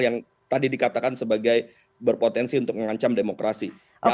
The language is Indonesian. yang tadi dikatakan sebagai berpotensi untuk mengancam demokrasi